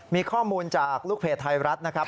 มีข้อมูลจากลูกเพจไทยรัฐนะครับ